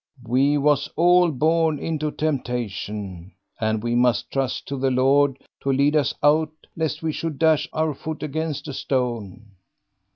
We was all born into temptation, and we must trust to the Lord to lead us out lest we should dash our foot against a stone."